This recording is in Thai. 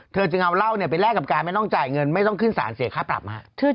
เธอจึงเอาเหล้าไปแลกกับการไม่ต้องจ่ายเงินไม่ต้องขึ้นสารเสียค่าปรับฮะ